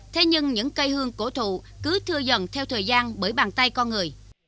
thế nhưng những cây hương cổ thụ cứ thưa dần theo thời gian bởi bàn tay con người